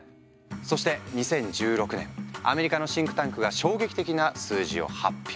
そして２０１６年アメリカのシンクタンクが衝撃的な数字を発表。